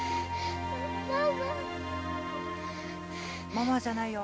・ママじゃないよ。